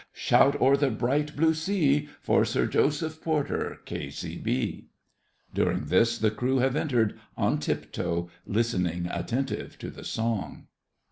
Shout o'er the bright blue sea For Sir Joseph Porter, K.C.B. [During this the Crew have entered on tiptoe, listening attentive to the song.